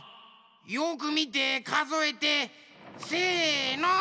よくみてかぞえてせの！